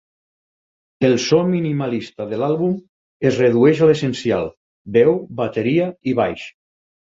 El so minimalista de l'àlbum es redueix a l'essencial: veu, bateria i baix.